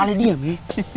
ali diam ya